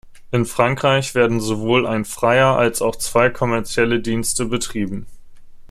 In Frankreich werden sowohl ein freier als auch zwei kommerzielle Dienste betrieben.